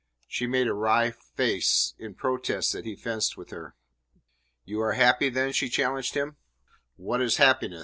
She made a wry face in protest that he fenced with her. "You are happy, then?" she challenged him. "What is happiness?"